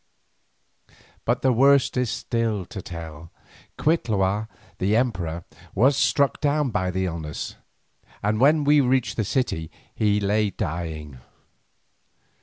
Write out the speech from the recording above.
But the worst is still to tell; Cuitlahua, the emperor, was struck down by the illness, and when we reached the city he lay dying.